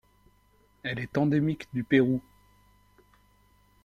Elle est endémique du Pérou.